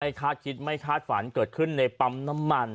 คาดคิดไม่คาดฝันเกิดขึ้นในปั๊มน้ำมัน